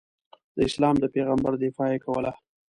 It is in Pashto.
د اسلام د پیغمبر دفاع یې کوله.